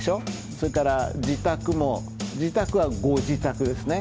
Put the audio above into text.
それから「自宅」も「自宅」は「ご自宅」ですね。